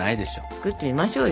作ってみましょうよ。